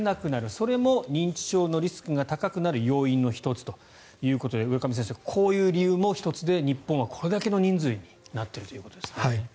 それも認知症のリスクが高くなる要因の１つということで浦上先生、こういう理由も１つで日本はこれだけの人数になっているということですね。